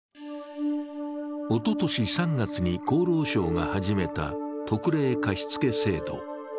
おととし３月に厚労省が始めた特例貸付制度。